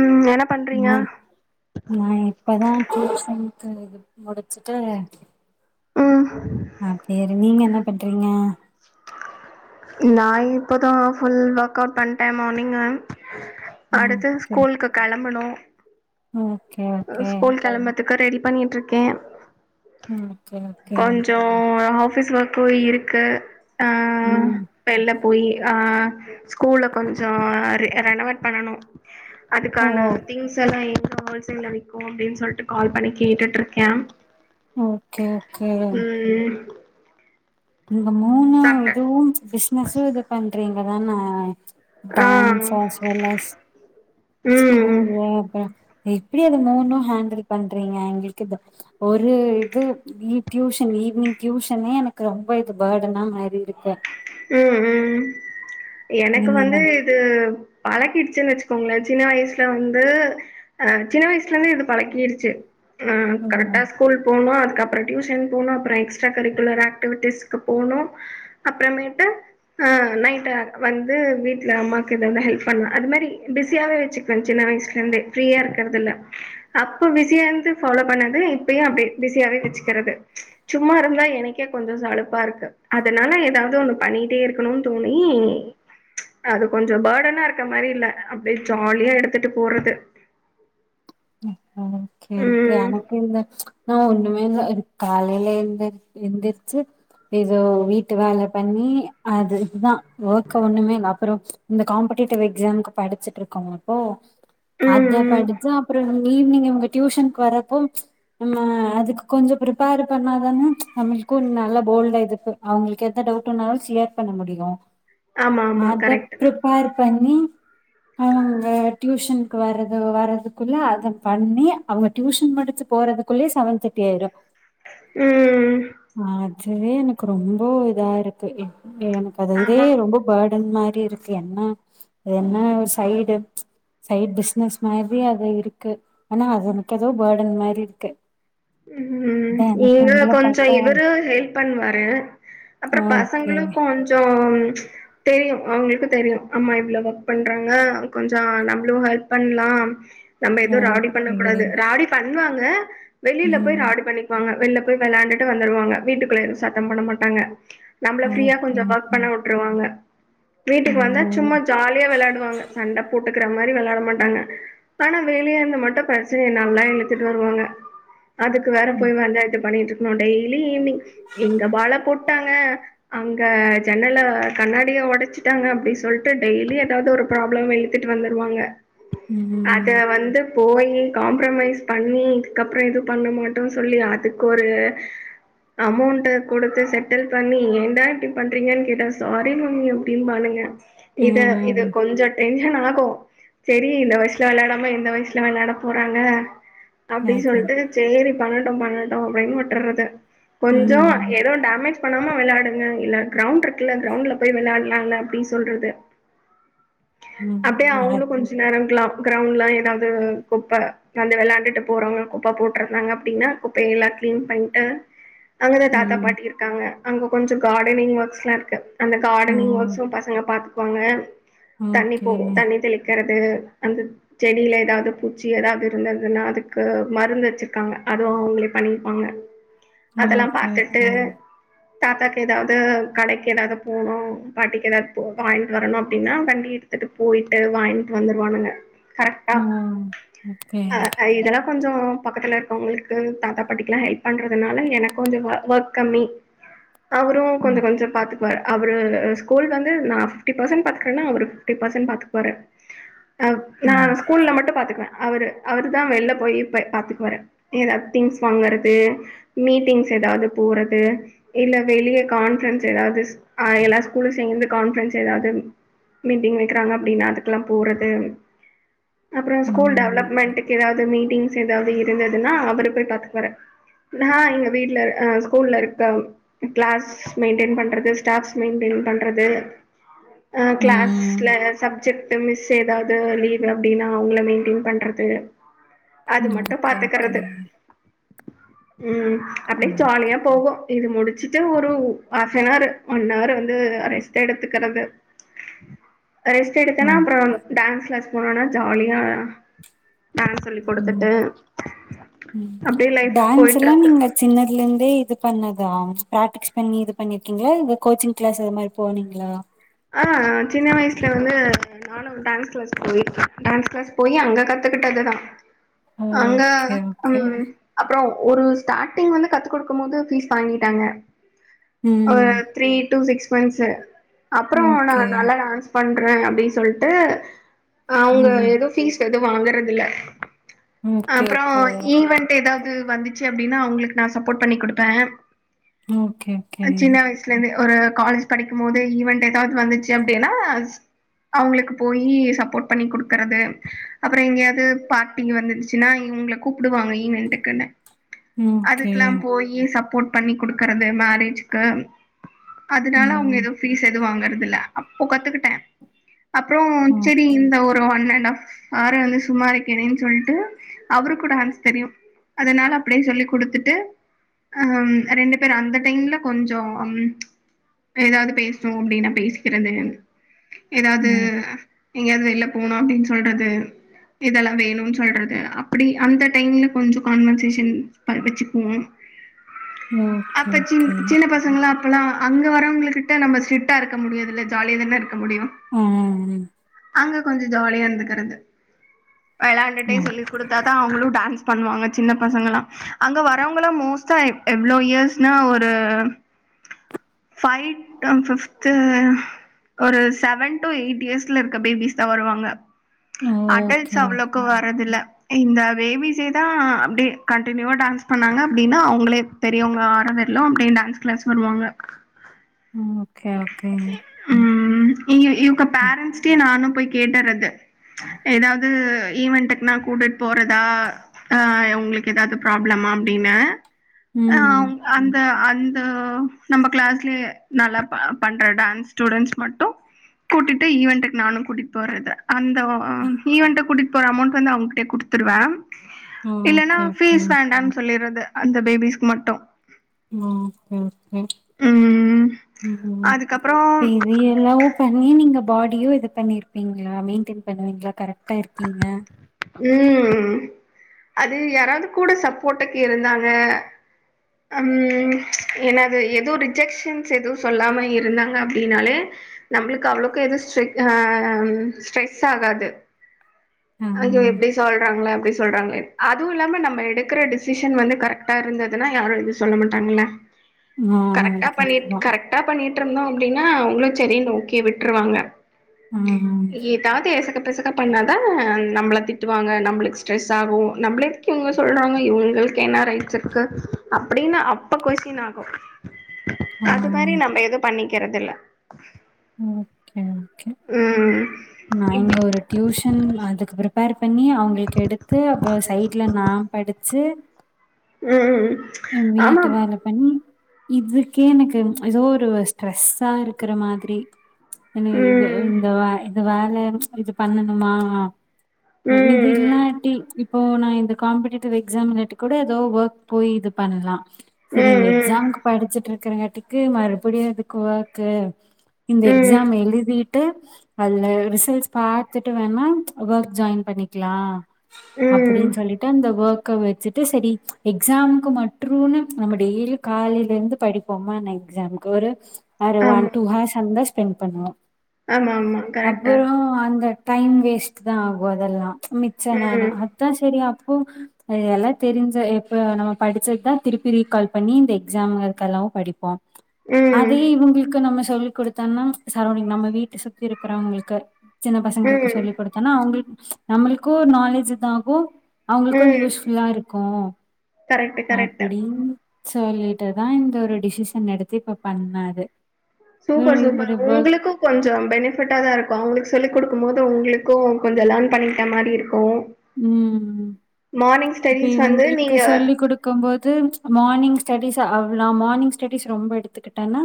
ம் என்ன பண்றீங்க நா நா இப்பதா டியூசன் ம் இது முடிச்சுட்டு ம் அப்டியேரு நீங்க என்ன பண்றீங்க நா இப்போதா ஃபுல் ஒர்க் அவுட் பண்ணட்டே மார்னிங்கே ம் அடுத்தது ஓகே ஸ்கூலுக்கு கெளப்பணு ஓகே அ ஓகே ஸ்கூல் கெளம்பத்துக்கு ரெடி பண்ணிட்டு இருக்கே ம் ஓகே ஓகே கொஞ்சோ ஆ ஆபீஸ்ல ஒர்க்கு இருக்கு ஆ ம் வெள்ல போய் அ ஸ்கூல்ல கொஞ்சோ ரே ரேனவட் பண்ணனு ஓ அதுக்கான திங்ஸ்ல்லா எ [unintelligible] கெடக்கு அப்டின்னு சொல்லிட்டு கால் பண்ணி கேட்டுட்டு இருக்கே ஓகே ஓகே இங்க சாப்ட்ட மூணாவது பிஸ்னஸு இது பண்றீங் அதான ஆ டான்ஸ் அஸ்வல்லேஸ் ம் ஸ்கூல் அ இப் எப்டி அது மூணு ஹேண்டில் பண்றீங்க எங்களுக்கு ஒரு இது வி டியூஷன் ஈவினிங் டியூஷனே எனக் ரொம்ப இது பேர்டனா மாறி இருக்கே ம் ம் எனக்கு நீங்க வந்து என்ன இது பழக்கிடுச்சுன்னு வெச்சுக்கோங்களே சின்ன வயசுல வந்து ஆ சின்ன வயசுல இருந்து இது பழக்கிருச்சு ஆ ம் கரெக்டா ஸ்கூல் போகணு அது அப்பறோ டியூஷன் போனும் அப்றோ எக்ஸ்ட்ரா கரிக்குலர் ஆக்டிவிட்டிஸ்கு போனும் அப்பறமே ட ஆ நைட்ட வந்து வீட்டுல அம்மாக்கு எதானு ஹெல்ப் பண்ணுவே அது மாரி பிஸியாவே வச்சுக்குவே சின்ன வயசுல இருந்தே ஃப்ரியா இருக்கிறதுல அப்ப பிஸியா இருந்து ஃபாலோ பண்ணது இப்ப அப்பே பிஸியாவே வச்சுக்கிறது சும்மா இருந்தா எனக்கே கொஞ்சோ சலுப்பா இருக்கு அதனால ஏதாவது ஒன் பண்ணிட்டே இருக்கணும்னு தோணி.., அது கொஞ்சோ பர்டன் ஹ இருக்க மாரி இல்ல அப்டியே ஜாலியா எடுத்துட்டு போறது.., ம் எனக்கே [unintelligible] ம் எனகில்ல இப்போ ஒண்ணுமே இல்ல, காலையில எந் எந்திரச்சு ஏதோ வீட்டு வேலை பண்ணி அது, இதுதா.., ஒர்க்க ஒண்ணுமே இல்ல. அப்புறோ இந்த காம்படேட்டிவ் எக்ஸாம்க்கு படிச்சிட்டு இருக்கறப்போ அத ம் படிச்சா ஈவினிங் இவங்க டியூஷனுக்கு வரப்போ, நம்ம அதுக்கு கொஞ்சோ ப்ரிப்பேர் பண்ணாதானே நம்மளுக்கு நல்லா போல்டா இது அவங்களுக்கு எந்த டவுட்னாலும் ஷியர் பண்ண முடியு ஆமா ஆமா அதப் கரெக்ட் தா ப்ரிப்பேர் பண்ணி அவங்க வேற டியூஷனுக்கு வரது வரது குள்ள அத பண்ணி அவங்க டியூஷன் முடிஞ்சு போறதுக்குள்ளயே செவென் தெர்ட்டி ஆயிடு ம் ஆ இதுவே எனக்கு ரொம்போ இதா இருக்கு எனக்கு அத இதே ஆமா ரொம்ப பேடன் மா தி இருக்கு என்ன என்ன ஒரு சைடு சைட் பிஸ்னஸ் மாரி இருக்கு ஆனா அது எனக்கு ஏதோ பேடன் மாரி இருக்கு ம் ம் அதா எனக்கு இங்களு உங்கள கொஞ்சொ பாத்தா இவரு ஹெல்ப் பண்ணுவாரு அப்றொ ஓகே பசங்களு கொஞ்சொ தெரியு அவ்ங்களுக்கு தெரியு அம்மா இவ்ளோ வொக் பண்றாங்க கொஞ்சொ நம்ளு ஹெல்ப் பண்லா நம்ம எதுவு ராவ்டி ஓகே பண்ணக் கூடாது ராவ்டி பண்ணுவாங் ல வெளில போய் ம் ராவ்டி பண்ணிக்குவாங்க வெளில போய் வெளாண்டுட்டு வந்துருவாங்க வீட்டுக்குள்ள எதுவு சத்தம் போட மாட்டாங்க நம்மள ஃப்ரீயா கொஞ்ச ஓகே ஒர்க் பண்ண உட்ருவாங்க வீட்டுக்கு வந்தா ம் சும்மா ஜாலியா வெளாடுவாங்க சண்ட போட் டுக்ற மாரி வெளாட மாட்டாங்க ஆனா வெளிய இருந்து மட்டு பிரச்சனைய நல்லா இழுத்துட்டு வருவாங்க அதுக்கு வேற ம் போய் பஞ்சாயத்து பண்ணிட்ரு க்னு டெய்லி ஈவ்னிங் இங்க பால போட்டாங்க அங்க ஜன்னல கண்ணாடிய ஒடச்சிட்டாங்க அப்டி சொல்ட்டு டெய்லி எதாது ஒரு ப்ராப்ளம இழுத்துட்டு வந்துருவாங்க ம் அத வந்து போயி காம்ப்ரமைஸ் பண்ணி இதுக்கப் பற எது பண்ண மாட்டோ சொல்லி அதுக்கொரு அமௌண்ட குடுத்து செட்டில் பண்ணி ஏன்டா இப்டி பண்றிங்கன் கேட்டா சாரி மம்மி அப்டிம்பானுங்க இத இது ம் கொஞ்ச டென் ஷன் ஆகு செரி இந்த வயசுல வெளாடாமா எந்த வய்சுல வெளாட போறாங்க அ செரிப்ப செரி பண்ணட்டு பண்ணட்டு அப்டின் விட்டுர்றது கொஞ்சொ ம். எது டேமேஜ் பண்ணாம விளாடுங்க இல்ல க்ரௌண்ட் இருக்குல்ல க்ரௌண்ட்ல போய் விளால்லாம்ல அப்டி சொல்றது அப்டியே ம். அவ்ங்களு அது. கொஞ்சொ நேரொ க்லா க்ரௌண்ட்லா ஏதாவ்து குப்ப வந்து விளாண்டுட்டு போறவ்ங்க குப்ப போட்ருந்தாங்க அப்டின்னா குப்பையெல்லா க்ளீன் பண்ட்டு அங்கதா தாத்தா ம். பாட்டி இருக்காங்க அங்க கொஞ்சொ காடனிங் ஒர்க்ஸ்லா இருக்கு அந்த ஓ! காடனிங் ஒர்க்ஸு பசங்க பாத்து பாங்க தண்ணி ஓகே. போ தண்ணி தெளிக்கெற் து அந்த செடியில ஏதாவ்து பூச்சி ஏதாவ்து இருந்ததுன்னா அதுக்கு மருந்து வச்சிருக்காங்க அதுவும் அவங்களே பண்ணியிருப்பாங்க அதெல்லாம் ஓகே, பாத்துட்டு ஓகே. தாத்தாக்கு ஏதாவது கடைக்கு ஏதாவது போணும் பாட்டிக்கு ஏதாவது போ வாங்கிட்டு வரணும் அப்படின்னா வண்டி எடுத்துட்டு போயிட்டு வாங்கிட்டு வந்துருவானுங்க கரெக்டா ஓ! ஓகே. ஆஹ் இதெல்லாம் கொஞ்சம் பக்கத்துல இருக்கவங்களுக்கு தாத்தா பாட்டிக்கு எல்லாம் ஹெல்ப் பண்றதுனால எனக்கு கொஞ்சம் ஒர்க் கம்மி அவரும் ம். கொஞ்சம் கொஞ்சம் பாத்து அவரு ஸ்கூல் வந்து நான் பிப்டி பர்சன்ட் பாத்துக்குரேன்னா அவரு பிப்டி பர்சன்ட் பாத்துப்பாரு நான் ஓ! நா ஸ்கூல்ல மட்டும் பாத்துக்குவேன் அவரு அவர தான் வெள்ள போய் பாத்துக்குவாரு ஏதாவது திங்ஸ் வாங்கறது மீட்டிங்ஸ் ஏதாவது போறது இல்ல வெளியே கான்பரன்ஸ் ஏதாவது எல்லா ஸ்கூல சேர்ந்து கான்பரன்ஸ் ஏதாவது மீட்டிங் வைக்கிறாங்க அப்படின்னா அதுக்கெல்லாம் போறது அப்புறம் ஸ்கூல் ம். டெவலப்மெண்ட்ட்க்கு ஏதாவது மீட் ஏதாவது இருந்ததுன்னா அவரு போய் பாத்துப்பாரு நான் இங்க வீட்டுல் ஸ்கூல்ல இருக்க கிளாஸ் மெயின்டெய்ன் பண்றது ஸ்டாப்ஸ் மெயின்டெய்ன் பண்றது ஆ க்ளாஸ்ல ம். சப்ஜெக்ட் மிஸ் எதாவது லீவ் அப்டின்னா அவங்கள மெயின்டெயின் பண்றது அது மட்டும் ஓகே, ஓகே. பாத்துக்கிறது ம் ஓ! அப்டியே ஜாலியா போகும் இது முடிச்சுட்டு ஒரு ஹாப்னார் ஒன் ஹவர் வந்து ரெஸ்ட் எடுத்துக்கிறது ரெஸ்ட் ஓ! எடுத்தேன்னா அப்புறம் டான்ஸ் கிளாஸ் போனோனா ஜாலியா [unintelligible] ம் ம் அப்டியே லைஃப் டான்ஸ் எல்லாம் போயிட்ருக்கு நீங்க சின்னதுல இருந்தே இது பண்ணதா பிராக்டிக்ஸ் பண்ணி இது பண்ணிருக்கீங்களா இந்த கோச்சிங் கிளாஸ் அது மாதிரி போனீங்களா ஆ சின்ன வயசுல வந்து நானும் டான்ஸ் கிளாஸ் போயிருக்கேன் டான்ஸ் கிளாஸ் போய் அங்க கத்துக்கிட்டது தான் அங்க ஓகே, ஓகே. ம் அப்புறம் ஒரு ஸ்டார்ட்டிங் வந்து கத்து கொடுக்கும் போது ஃபீஸ் வாங்கிட்டாங்க ஆ ம். த்ரீ டூ சிக்ஸ் போ்ச [inaudible] அப்புறம் ஓகே. நான் நல்லா டான்ஸ் பண்ன்- [unintelligible] அப்படின்னு சொல்லிட்டு அவங்க ம். ஏதோ ஃபீஸ் எ [unintelligible] தும் வாங்கறதுல ஓகே, அப்புறம் ஓகே. ஈவன்ட் ஏதாவது- ம் வந்துச்சு அப்படின்னா அவங்களுக்கு நான் சப்போர்ட் பண்ணி கொடுப்பேன் ஓகே, ஓகே. சின்ன வயசுல இருந்து ஒரு காலேஜ் படிக்கும் போதே ஈவண்ட் ஏதாவது வந்துச்சு அப்டின்னா அவங்களுக்கு போயி சப்போர்ட் பண்ணி குடுக்கறது அப்புறம் எங்கேயாவது பார்ட்டி வந்துச்சுன்னா இவங்க கூப்பிடுவாங்க இவென்ட்குனு அதுக்கெல்லாம் போயி சப் சப்போர்ட் பண்ணி குடுக்கறது மேரேஜ்க்கு அதனால அவங்க ஏதோ பீஸ் வாங்கறது இல்ல அப்போ கத்துக்கிட்டேன் அப்புறம் செடி இந்த ஒரு ஒன்னன் நா ஆர வந்து சும்மா இருக்கேனேன் சொல்ட்டு அவரு கூட ஹான்ஸ் தெரியும் அதனால அப்டியே சொல்லி குடுத்துட்டு ம் ரெண்டு பேரும் அந்த டைம்ல கொஞ்சம் ஏதாவது பேஸ் அப்டின்னா பேசிக்கிறது ஏதாவது எங்கேயாவது வெளில போனும் அப்படின்னு சொல்றது இதெல்லாம் வேணும்னு சொல்றது அப்படி அந்த டைம்ல கொஞ்சம் கான்வர்சேஷன் படுச்சுக்குவோம் அப்ப சின் சின்ன பசங்களாம் அப் ஆனா அங்க வரவங்கள் கிட்ட நம்ம- ஸ்ட்ரிக்டா இருக்க முடியாதுல்ல ஜாலியா தான இருக்க முடியும் உஹம்ம் அங்க கொஞ்சம் ஜாலியா இருந்துக்கிறது விளாண்டுட்டே சொல்லிக் கொடுத்தாதான் அவங்களும் டான்ஸ் பண்ணுவாங்க சின்ன பசங்கல்லாம் அங்க வரவங்க மோஸ்டா எவ்ளோ இயர்ஸ் ஒரு ஃபைவ் [unintelligible] ஒரு செவன் டு எயிட் இயர்ஸ்ல இருக்க பேபிஸ் தான் வருவாங்க அடல்ட்ஸ் அவ்வளவுக்கு வரது இல்ல இந்த பேபிஸே தான் அப்டியே கண்டினூவா டான்ஸ் பண்ணாங்க அப்டின்னா அவங்களே பெரியவங்க ஆரவர்லும் அப்டியே டான்ஸ் கிளாஸ் வருவாங்க உம் ஓகே ஓகே உம் [unintelligible] இவங்க பேரன்ட்ஸ் கே நானும் போய் கேட்டுறது ஏதாவது ஈவென்ட்க்குனா கூட்டிட் போறதா உங்களுக்கு ஏதாவது ப்ராப்ளமா அப்டின்னு ஆஹ் அந்த இந்த நம்ம கிளாஸ்லயே நல்லா- பண்ற டான்ஸ் ஸ்டூடெண்ட்ஸ் மட்டும் கூட்டிட்டு ஈவெண்ட்க்கு நானும் கூட்டிட்டு போறத அந்த அ ஈவென்ட்ட கூட்டிட் இப்ப ஒரு அமௌண்ட் வந்து அவங்கிட்டே குடுத்துருவே இல்லன்னா பீஸ் வேண்டான் சொல்லிர்றது அந்த பேபிஸ்கு மட்டோ மோ ஓகே ஓகே ம் உம் உம் அதுக்கப்புறோ பெரியளவு பண்ணி நி நீங்க பாடியோ இது பண்ணிருப்பீங்களா மெயின்டென் பண்ணுவீங்களா கரெக்டா இருக்கீங்க உஹம் அது யாராவது கூட சப்போட்டுக்கு இருந்தாங்க ஹம் என்னது ஏதோ ரிஜெக்ஷன்ஸ் எதுவு சொல்லாம இருந்தாங்க அப்டின்னாலே நம்ளுக்கு அவ்ளவுக்கு எது [unintelligible] ஆஹ் ஸ்ட்ரெஸ் ஆகாது ஆ. அது எப்டி சொல்றாங்கள அப்டி சொல்றாங்கள அதுவு இல்லாம நம்ம எடுக்கிற டிசிஷன் வந்து கரெக்ட்டா இருந்துதுனா யாரோ இது சொல்ல மாட்டாங்கள ஆ. அது கரெக்டா கரெக்ட் பண்ணிட் தான். கரெக்டா பண்ணிட் ட்ருனு அப்படின்னா அவங்களு செரி ஓகே விட்ருவாங்க ஆ. ஏதாவது ஏசகு பசக்கா பண்ணாதா நம்மள திட்டுவாங்க நம்மளுக்கு ஸ்ரெஸ் ஆகு நம்மள எதுக்கு இவங்க சொல்றாங்க இவுங்ளுக்கு என்ன ரைட்ஸ் இருக்கு அப்படின்னு அப்ப கொஸ்டின் ஆகொ ஆ. அது மாரி நம்ம எது பண்ணிக் [unintelligible] ஓகே ஒகே ம் நா இங்க இப்டி ஒரு டியூஷன் அதுகபுரோ பேர் பண்ணி அவங்களுக்கு எடுத்து அப்புரோ சைட்ல நா படிச்சு உம் நம் வீட்டு வேல பண்ணி இதுக்கே எனக்கு ஏதோ ஒரு ஸ்ரெஸ்ஸா இருக்கற மாதிரி என் இது ம் இந்த [unintelligible] அது வேல இது பண்ணணுமா இது ம் இல்லாட்டி இப் ஓ நா இந்த காம்படடேட்டிவ் எக்ஸாம்லட்டி கூட ஏதோ ஒர்க் போய் இது பண்ணலா ம் சரி இந்த ம் எக்ஸாம்க்கு படிச்சிட்டுட்ருக்கறங்க இதுக்கு மறுபடியு எதுக்கு ஒர்க்கு இந்த ம் எக்ஸாம் எழுதி டு அதுல ரிசல்ஸ் பாத்துட்டு வேணா ச் ஒர்க் ஜாயின் பண்ணிக்கலா ம் அப்படினு சொல்லிட்டு அந்த ஒர்க் க வச்சுட்டு சரி எக்ஸாம்க்கு மட் ற்றுனு நம்ம டெய்லி காலையில இருந்து படிபோமா அனா எக்ஸாம்கு ஒரு ஆமா [unintelligible] பென் பண்ணுவோ ஆமா ஆமா கரெக்டா அப்பறோ அந்த டைம் வேஸ்ட் தான் ஆகும் அதெல்லாம் மிச்ச ம் நேரம் அதான் சரியா எல்லாம் தெரிஞ்ச எப்ப நம்ம படி தான் திருப்பி ரிகால் பண்ணி இந்த எக்ஸாமக்கெல்லாம் படிப்போம் ம் அதையே இவங்களுக்கு நம்ம சொல்லி கொடுத்தம்ன்னா சரௌண்டிங் நம்ம வீட்ட சுத்தி இருக்கிறவங்களுக்கு சின்ன பசங்களுக்கு ம் சொல்லிக் கொடுத்தானா அவங்க நம்மளுக்கும் நாலேஜ் இத ஆகும் அவுங்களுக்கும் அது ம் யூஸ்ஃபுல்லா இருக்கும் கரெக்ட்டு கரெக்ட்டு அப்படின்னு சொல்லிட்டுதான் இந்த ஒரு டிசிஷன் எடுத்து இப்ப பண்ணது சூப்பர் சூப்பர் உங்களுக்கும் கொஞ்சம் பெனிபிட்டா தான் இருக்கும் அவுங்களுக்கு சொல்லிக் கொடுக்கும் போது உங்களுக்கு கும் கொஞ்சம் லேர்ன் பண்ணிகிட்ட மாரி இருக்கும் உம் இப்ப ஸ்டடீஸ் வந்து இவுங்களுக்கு நீங்க சொல்லிக் கொடுக்கும் போது மார்னிங் ஸ்டடிஸ் அவ்ளோ மார்னிங் ஸ்டடிஸ் ரொம்ப எடுத்துக்கிட்டேன்னா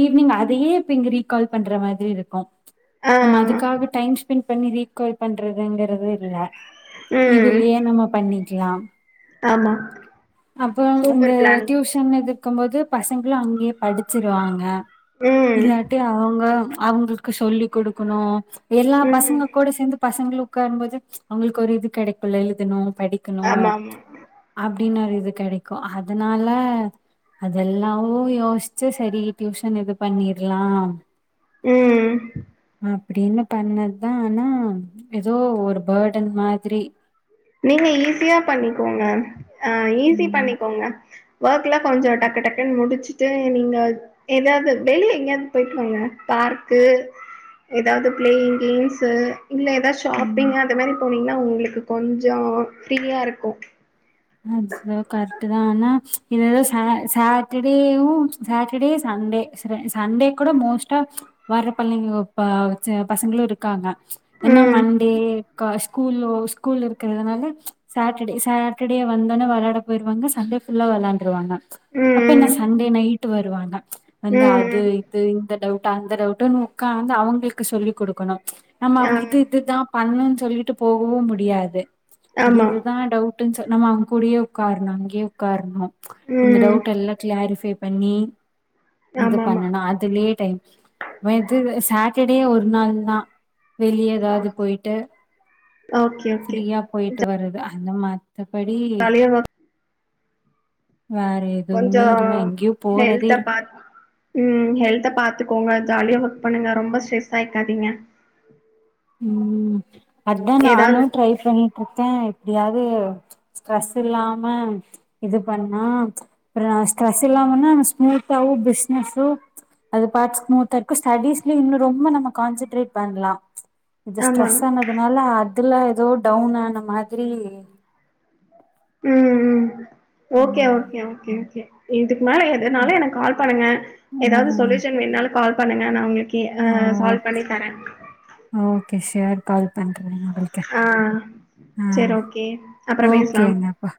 ஈவினிங் அதையே இப்ப இங்க ரீகால் பண்ற மாதிரி இருக்கும் ஆ நம்ம அதுக்காக டைம் ஸ்பெண்ட் பண்ணி ரீட் கோள் பண்றதுங்கறது இல்ல ம் இதுலேயே நம்ம பண்ணி க்கலாம் ஆமா அப்புறோ இந்த சூப்பர் பிளானிங் டியூஷன் எதுக் பாக்கம்போது பசங்ளு அங்கேயே படிச்சிருவாங்க ம் இல்லாட்டி அவுங்களு அவுங்களுக்கு சொல்லிக் குடுக்கணு எல்லா ம் பசங்க கூட சேந்து பசங்களு கோம்போது அவுங்களுக் கோரு இது கெடைக்குல்ல எதுன்ணு படிக்கணு ஆமா அப் ஆமா அப்டின்னு ஒரு இது கெடைக்கு அதனால்ல அதெல்லாவு யோசிச்சு செரி டியூஷன் இது பண்ணிர்லா உம் அப்டின்னு பண்ணத்தா ஆனா ஏதோ ஒரு பேர்டன் மாதிரி நீங்க ஈஸியா பண்ணிக்கோங்க அ ஈஸி ம் பண்ணிக்கோங்க வொர்க் வொர்க்கெல்லா கொஞ்ச டக்கு டக்குன் முடிஞ்சு ச்ச நீங்க எதாவது வெளிய எங்கேயாவது போயிட்டு வாங்க பார்க்கு எதாவது ப்ளேயிங் கேம்ஸு இல்ல எதாவது ம் ஷாப்பிங் அந்த மேரி போனீங்ன்னா உங்களுக்கு கொஞ்சோ ஃப்ரீயாருக்கு அ சத் கண் இது தானா இது சா சாட்டர்டேயும் சாட்டர்டே சண்டே ச் ச சண்டே கூட மோஸ்ட்டா வர்ற பள்ளைங்கோ ப பசங் பசங்களு இருக்காங்க என்ன ம். மண்டே க்கா ஸ்கூலோ ஸ்கூல் இருக்கறதுனால சாட்டர்டே ச அப்பிடியே வந்தோன்ன வெள்ளாட போய்டுவாங்க சண்டே ஃபுல்லா வெள்ளாண்டுருவாங்க ம், அப்ப என்ன ம். சண்டே நைட் ன்ட்டு வருவாங்க வந்து ம், அது ம். இது இந்த டவுட் ந்த அந்த டவுட்ன்னு உட்க்காந்து அவுங்களுக்கு சொல்லிக் குடுக்கணு ஆமா ஆ. அவங் இது இதுதா பண்ணுன் சொல்லிட்டு போகவு முடியாது இது ஆமா. இதுதா டவு டவுட் சொன்னமாக்கூடியோ உட்காரணு அங்கேயே உட்காரணு இந்த ம். டவுட் எல்லா கிளாரிஃபை பண்ணி இது ஆமாமா. பண்ணுனா அதுலே டைம் இது [unintelligible] [unintelligible] ஒரு நாள் நா வெளிய ஆ. ஏதாது போயிட்டு ஓகே, ஓகே. ஃப்ரீயா போயிட் ட்டு வருறது அந்த மா மத்தபடி ஜாலியா ஒர்க் வேற கொஞ்சோ எதுவுமே இல்ல எங்கேயோ போறதே ஹெல்த்த இல்ல பாத் ம் ஹெல்த்த பாத்துக்கோங்க ஜாலியா ஒர்க் பண்ணுங்க ரொம்ப ஸ்ட்ரெஸ் ஆயிக்காதீங்க ம் அதுதா நானு ஏதாவது ட்ரை பண்ணிட்ருக்க எப்டியாது ஸ்ட்ரெஸ் இல்லாம இது பண்ணா அப்ற ஸ்ட்ரெஸ் இல்லாமன்னா ஸ்மூத்தாவு பிஸ்னஸு அது பாத் ஸ்மூத்தாருக்கு ஸ்டடிஸ்லயு இன்னு ரொம்ப நம்ம கான்சன்ட்ரேட் பண்லா இது ஆமா ஸ்ட்ரெஸ் ஆனதுனால இதுல எதோ டவுனான மாதிரி ம் ம் ஓகே ம் ஓகே ஓகே ஓகே [unintelligible] இதுக்கு மேல எதனாலு எனக்கு கால் பண்ணுங்க எதாது ம் சொலுயூஷன் வேணாலு கால் பண்ணுங்க நா உங்குளுக் ஏ ஆ சால்வ் ஓகே பண்ணி தர [unintelligible] கால் பண் ஆ ஆ செரி ஓகே அப்புற பேசலா ஓகேங்கப்பா